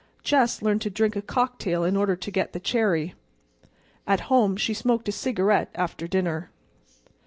Jess learned to drink a cocktail in order to get the cherry. At home she smoked a cigarette after dinner.